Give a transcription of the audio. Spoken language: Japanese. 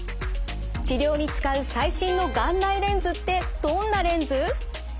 治療に使う最新の眼内レンズってどんなレンズ？